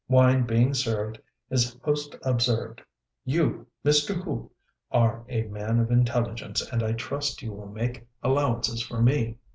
Wine being served, his host observed, "You, Mr. Hu, are a man of intelligence, and I trust you will make allowances for me.